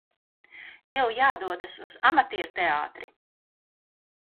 Tev jādodas uz amatierteātri!